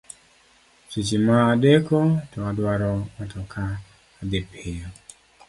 Seche ma adeko to adwaro matoka adhi piyo.